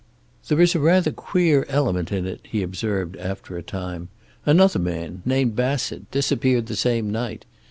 "There is a rather queer element in it," he observed, after a time. "Another man, named Bassett, disappeared the same night.